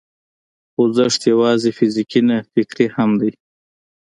خوځښت یوازې فزیکي نه، فکري هم دی.